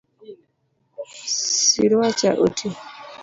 Siruacha oti